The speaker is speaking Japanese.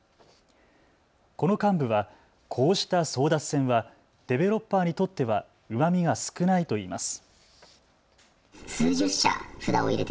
この幹部はこうした争奪戦はデベロッパーにとってはうまみが少ないといいます。